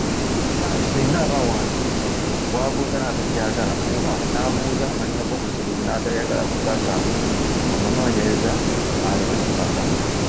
Singa aba awandiika, gw’abuuza n’atakyagala, oba n’abuuza amannya g’omuzibuzi n’atayagala kugaasanguza, omunoonyereze aleme kukaka.